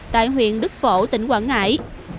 tại huyện đức phổ tỉnh quảng ngãi